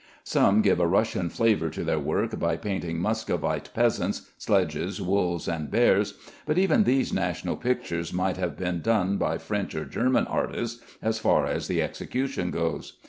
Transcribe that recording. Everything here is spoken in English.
Some give a Russian flavor to their work by painting Muscovite peasants, sledges, wolves and bears, but even these national pictures might have been done by French or German artists as far as the execution goes.